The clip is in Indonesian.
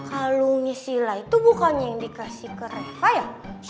kalungnya sila itu bukannya yang dikasih ke reva ya